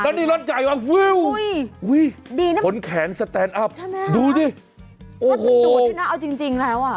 แล้วนี่รถใหญ่วะอุ้ยโผล่แขนสแตนอัพดูสิโอ้โหดูดูนะเอาจริงแล้วอะ